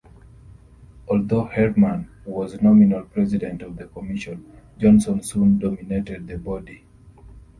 Although Herrmann was nominal president of the commission, Johnson soon dominated the body.